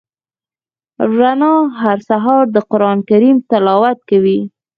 رڼا هر سهار د قران کریم تلاوت کوي.